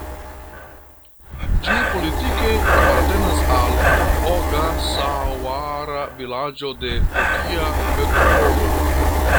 Ĝi politike apartenas al Ogasaŭara-vilaĝo de Tokia Metropolo.